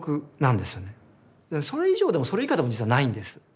でもそれ以上でもそれ以下でも実はないんです。